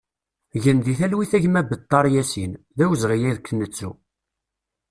Gen di talwit a gma Bettar Yasin, d awezɣi ad k-nettu!